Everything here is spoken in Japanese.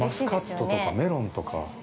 ◆マスカットとかメロンとか。